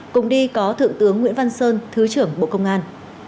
cùng đi có thượng tướng nguyễn văn sơn thứ trưởng bộ công an